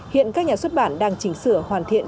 hiện các nhà xuất bản đang chỉnh sửa hoàn thiện